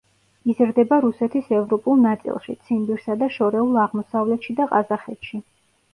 იზრდება რუსეთის ევროპულ ნაწილში, ციმბირსა და შორეულ აღმოსავლეთში და ყაზახეთში.